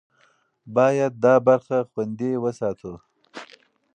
باید دا برخه خوندي وساتو.